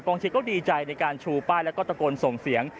เชียร์ก็ดีใจในการชูป้ายแล้วก็ตะโกนส่งเสียง